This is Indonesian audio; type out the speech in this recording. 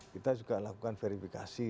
kita juga lakukan verifikasi